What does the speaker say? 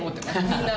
みんな。